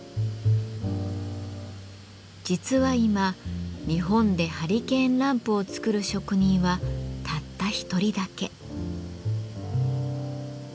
実は今日本でハリケーンランプを作る職人はたった一人だけ。